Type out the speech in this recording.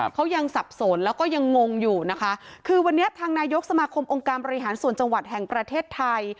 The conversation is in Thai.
เขายังสับสนแล้วก็ยังงงอยู่นะคะคือวันนี้ทางนายกสมาคมองค์การบริหารส่วนจังหวัดแห่งประเทศไทย